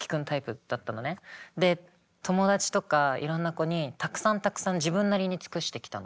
で友達とかいろんな子にたくさんたくさん自分なりに尽くしてきたの。